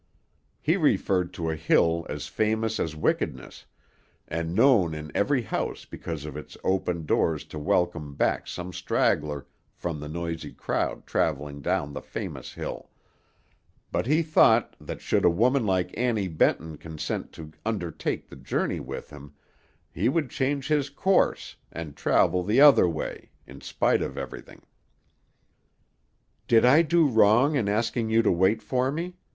He referred to a hill as famous as wickedness, and known in every house because of its open doors to welcome back some straggler from the noisy crowd travelling down the famous hill; but he thought that should a woman like Annie Benton consent to undertake the journey with him, he would change his course, and travel the other way, in spite of everything. "Did I do wrong in asking you to wait for me?"